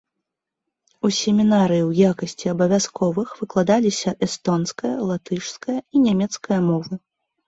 У семінарыі ў якасці абавязковых выкладаліся эстонская, латышская і нямецкая мовы.